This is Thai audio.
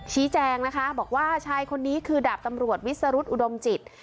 ชี้แจงนะคะบอกว่าชายคนนี้คือดาบตำรวจวิสรุธอุดมจิต